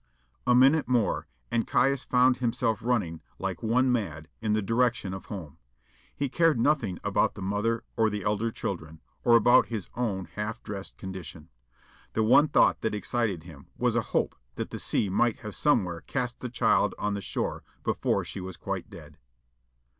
A minute more, and Caius found himself running like one mad in the direction of home. He cared nothing about the mother or the elder children, or about his own half dressed condition. The one thought that excited him was a hope that the sea might have somewhere cast the child on the shore before she was quite dead.